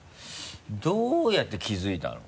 どうやって気付いたの？